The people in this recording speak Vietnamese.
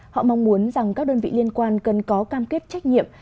họ mong muốn rằng các đơn vị liên quan cần có cam kết trách nhiệm